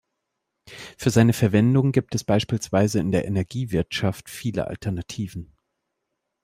Für seine Verwendung gibt es beispielsweise in der Energiewirtschaft viele Alternativen.